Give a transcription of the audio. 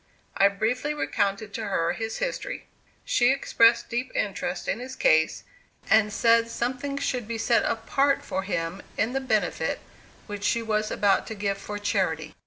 I briefly recounted to her his history. She expressed deep interest in his case, and said something should be set apart for him in the benefit which she was about to give for charity.